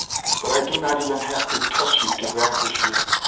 But I do not even have to touch you to vanquish you.